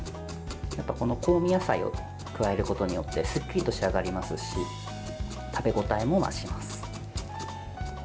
香味野菜を加えることによってすっきりと仕上がりますし食べ応えも増します。